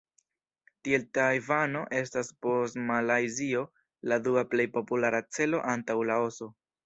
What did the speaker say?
Tiel Tajvano estas post Malajzio la dua plej populara celo antaŭ Laoso.